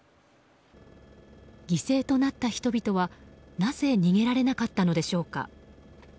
犠牲となった人々はなぜ逃げられなかったのでしょうか。